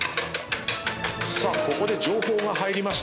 さあここで情報が入りました。